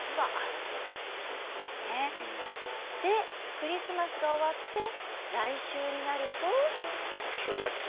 クリスマスが終わって来週になると？